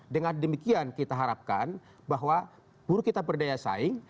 dengan demikian kita harapkan bahwa buruh kita berdaya saing